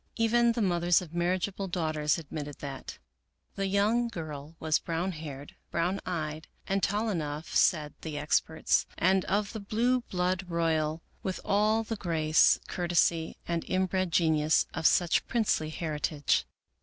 Even the mothers of marriageable daughters adrnitted that. The young girl w^as brown haired, brown eyed, and tall enough, said the experts, and of the blue blood royal, with all the grace, courtesy, and inbred genius of such princely heritage.